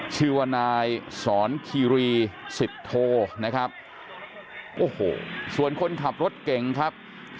ชื่อว่านายสอนคีรีสิบโทนะครับ